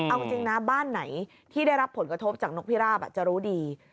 เอาจริงนะบ้านไหนที่ได้รับผลกระทบจากนกพิราบจะรู้ดี